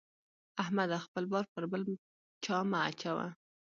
احمده! خپل بار پر بل چا مه اچوه.